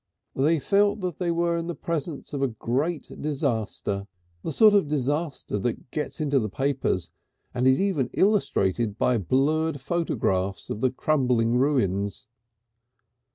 They felt that they were in the presence of a great disaster, the sort of disaster that gets into the papers, and is even illustrated by blurred photographs of the crumbling ruins.